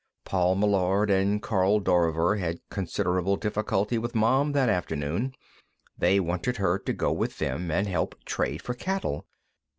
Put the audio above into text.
Paul Meillard and Karl Dorver had considerable difficulty with Mom, that afternoon. They wanted her to go with them and help trade for cattle.